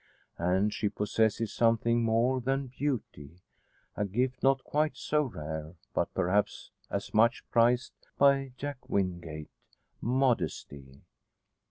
And she possesses something more than beauty a gift not quite so rare, but perhaps as much prized by Jack Wingate modesty.